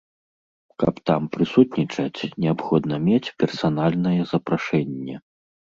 Каб там прысутнічаць, неабходна мець персанальнае запрашэнне.